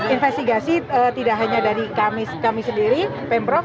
investigasi tidak hanya dari kami sendiri pemprov